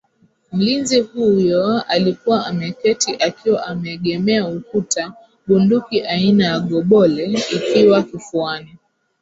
Mlinzi huyo alikuwa ameketi akiwa ameegemea ukuta bunduki aina ya gobole ikiwa kifuani